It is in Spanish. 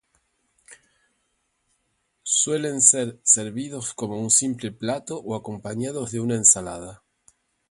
Suelen ser servidos como un simple plato o acompañados de una ensalada.